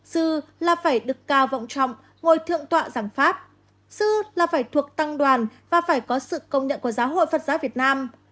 sư là phải đực cao vòng trọng ngồi thượng tọa giảng pháp sư là phải thuộc tăng đoàn và phải có sự công nhận của giáo hội phật giáo việt nam